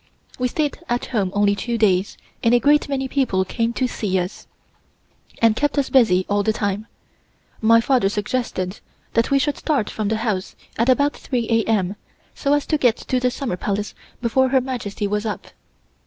We stayed at home only two days and a great many people came to see us, and kept us busy all the time. My father suggested that we should start from the house at about 3:00 A. M., so as to get to the Summer Palace before Her Majesty was up.